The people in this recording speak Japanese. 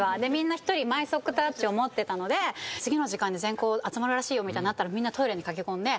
持ってたので次の時間に全校集まるらしいよみたいになったらみんなトイレに駆け込んで。